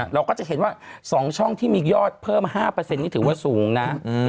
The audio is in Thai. เราก็จะเห็นว่า๒ช่องที่มียอดเพิ่ม๕นี่ถือว่าสูงนะ